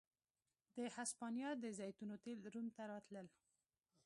د هسپانیا د زیتونو تېل روم ته راتلل